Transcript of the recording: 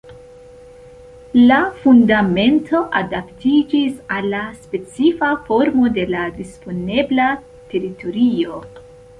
La fundamento adaptiĝis al la specifa formo de la disponebla teritorio.